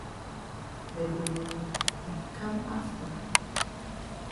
But dey go di kam afta.